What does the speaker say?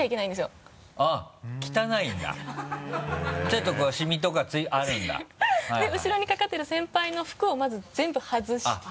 ちょっとこうシミとかあるんだで後ろに掛かってる先輩の服をまず全部外して。